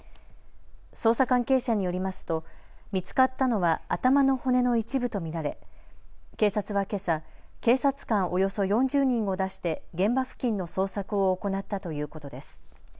捜査関係者によりますと見つかったのは頭の骨の一部と見られ警察はけさ、警察官およそ４０人を出して現場付近の捜索を行ったということです。